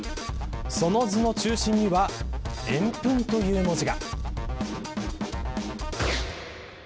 その図の中心には円墳、という文字が。